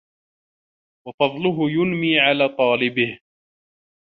وَفَضْلَهُ يُنْمِي عَلَى طَالِبِهِ